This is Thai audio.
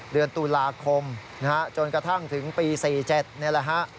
เดือนตุลาคมจนกระทั่งถึงปี๑๙๔๗นี่แหละ